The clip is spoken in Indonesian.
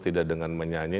tidak dengan menyanyi